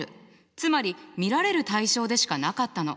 つまり見られる対象でしかなかったの。